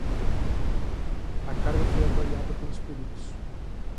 A carga foi avaliada pelos peritos